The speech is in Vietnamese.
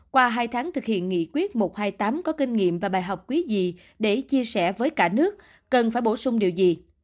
qua hai tháng thực hiện nghị quyết một trăm hai mươi tám có kinh nghiệm và bài học quý gì để chia sẻ với cả nước cần phải bổ sung điều gì